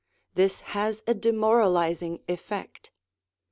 This has a demoralising effect.